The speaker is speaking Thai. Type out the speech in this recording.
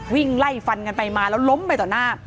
วิ่งไล่ฟันกันไปมาแล้วล้มไปต่อหน้า